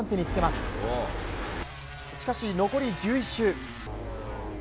しかし、残り１１周。